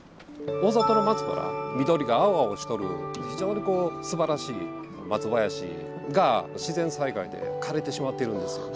大里の松原緑が青々しとる非常にすばらしい松林が自然災害で枯れてしまっているんですよ。